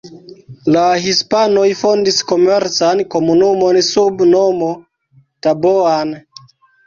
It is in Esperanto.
La hispanoj fondis komercan komunumon sub nomo Taboan.